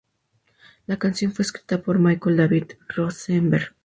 La canción fue escrita por Michael David Rosenberg.